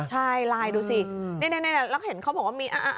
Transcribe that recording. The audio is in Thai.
ใช่ไลน์ดูสินี่แล้วเห็นเขาบอกว่ามี